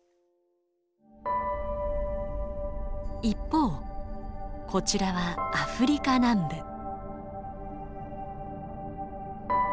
一方こちらはアフリカ南部。